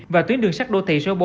và tuyến đường sắt đô thị số bốn